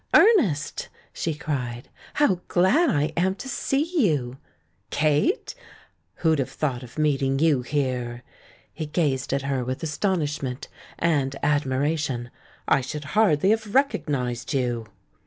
"Ernest," she cried, "how glad I am to see I" you! "Kate ! Who'd have thought of meeting you here!" He gazed at her with astonishment and admiration. "I should hardly have recognised you."